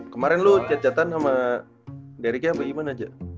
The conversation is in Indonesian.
kemarin lo cat catan sama dericknya apa gimana aja